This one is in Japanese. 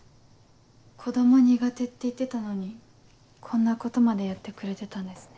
子供苦手って言ってたのにこんなことまでやってくれてたんですね。